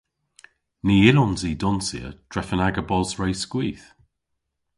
Ny yllons i donsya drefen aga bos re skwith.